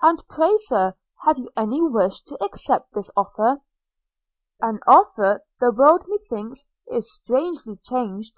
'And pray, Sir, have you any wish to accept this offer? An offer! – The world methinks is strangely changed!